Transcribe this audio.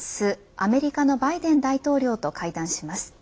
アメリカのバイデン大統領と会談します。